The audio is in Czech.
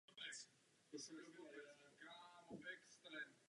Musíme zajistit, abychom se neuzavřeli sami do sebe.